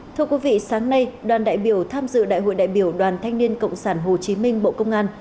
thưa quý vị sáng nay đoàn đại biểu tham dự đại hội đại biểu đoàn thanh niên cộng sản hồ chí minh bộ công an